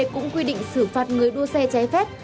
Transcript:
cũng quy định xử phạt người đua xe trái phép